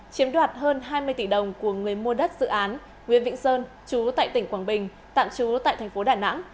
chiếm đoạt hơn hai mươi tỷ đồng của người mua đất dự án nguyễn vĩnh sơn chú tại tỉnh quảng bình tạm chú tại thành phố đà nẵng